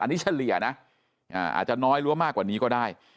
อันนี้เฉลี่ยนะอาจจะน้อยหรือว่ามากกว่านี้ก็ได้